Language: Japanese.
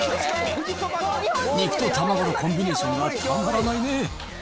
肉と卵のコンビネーションがたまらないね。